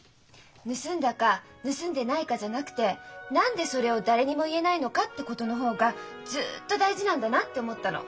盗んだか盗んでないかじゃなくて何でそれを誰にも言えないのかってことの方がずっと大事なんだなって思ったの。